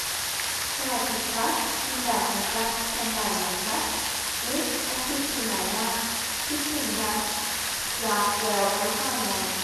สวัสดีครับ ผมแบ่คนะครับ จำได้มั๊ยครับ เอ๊ ออฟฟิศอยู่ไหนน้า คิดถึงจัง อยากแวะไปหาหน่อย